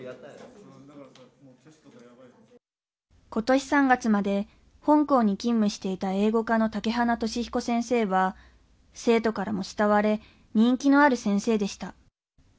今年３月まで本校に勤務していた英語科の竹花俊彦先生は生徒からも慕われ人気のある先生でした。